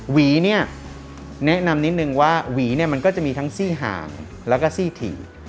หวีเนี่ยแนะนำนิดนึงว่าหวีเนี่ยมันก็จะมีทั้งซี่ห่างแล้วก็ซี่ถี่